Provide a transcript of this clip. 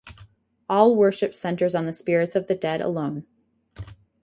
All worship centers on the spirits of the dead alone.